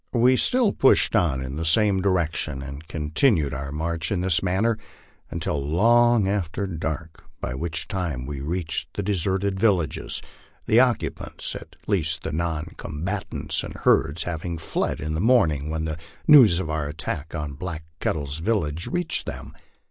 We still pushed on in the same direction, and continued our march in this manner until long after dark, by which time we reached the deserted villages, the occupants at least the non combatants and herds having fled in the morning when news of our attack on Black Ket tle's village reached them.